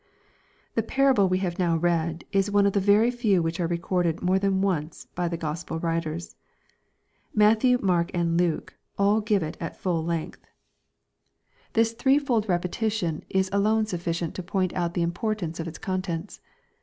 The parable we have now read, is one of the very few which are recorded more than once by the Gospel writers. Matthew^ Mark, and Luke, all give it at full lengtL LUKEj CHAP. XX 325 This three fold repetition is alone sufficient to point out the importance of its contents.